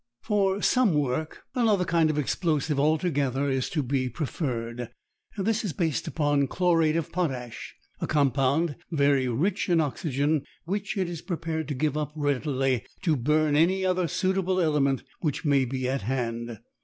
For some work another kind of explosive altogether is to be preferred. This is based upon chlorate of potash, a compound very rich in oxygen, which it is prepared to give up readily to burn any other suitable element which may be at hand.